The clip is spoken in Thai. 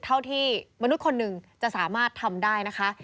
เท่าที่มนุษย์คนหนึ่งจะสามารถทำได้นะคะ